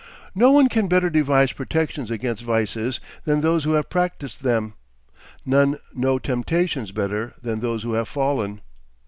No one can better devise protections against vices than those who have practised them; none know temptations better than those who have fallen.